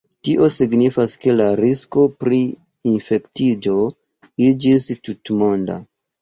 Tio signifas ke la risko pri infektiĝo iĝis tutmonda.